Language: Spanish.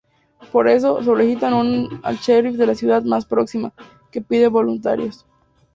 Por eso, solicitan uno al sherif de la ciudad más próxima, que pide voluntarios.